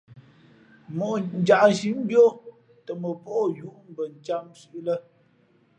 Mǒʼ njanshǐ mbéʼ ó tα mα pά o yūʼ mbα cām sʉ̄ʼ lᾱ.